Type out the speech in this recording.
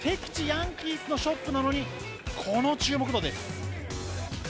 ヤンキースのショップなのにこの注目度です。